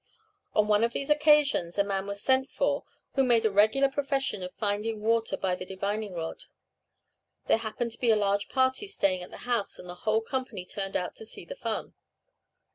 "On one of these occasions a man was sent for who made a regular profession of finding water by the divining rod; there happened to be a large party staying at the house, and the whole company turned out to see the fun.